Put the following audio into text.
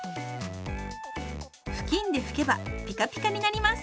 布巾で拭けばピカピカになります。